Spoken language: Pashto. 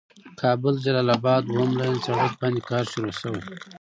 کابل جلال آباد دويم لين سړک باندې کار شروع شوي.